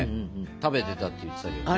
食べてたって言ってたけどね。